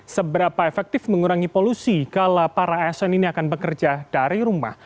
seberapa efektif mengurangi polusi kalau para asn ini akan bekerja dari rumah